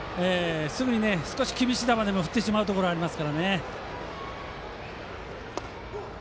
少し厳しい球でも振ってしまうところがあります。